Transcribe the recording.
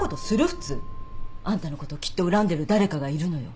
普通。あんたのこときっと恨んでる誰かがいるのよ。